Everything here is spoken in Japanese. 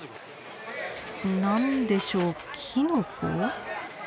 何でしょうキノコ。